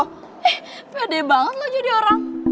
eh pede banget loh jadi orang